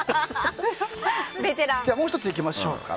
もう１ついきましょう。